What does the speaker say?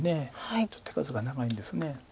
ちょっと手数が長いんです。